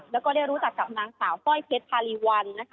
และได้รู้จักกับนางสาวสร้อยเพชรพารีวัล